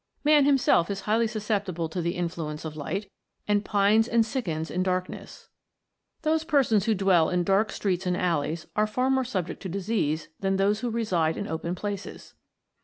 Man himself is highly susceptible to the influ ence of light, and pines and sickens in darkness. THE MAGIC OF THE SUNBEAM. 97 Those persons who dwell in dark streets and alleys are far more subject to disease than those who reside in open places.